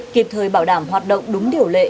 kịp thời bảo đảm hoạt động đúng điều lệ